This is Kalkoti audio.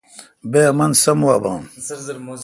بہ امن سوم وا بھا۔